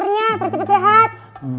nah terus cewek sehat